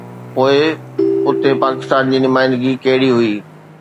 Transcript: پوءِ اتي پاڪستان جي نمائندگي ڪهڙي هئي؟